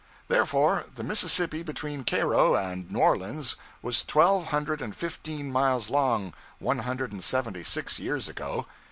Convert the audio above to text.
Therefore, the Mississippi between Cairo and New Orleans was twelve hundred and fifteen miles long one hundred and seventy six years ago.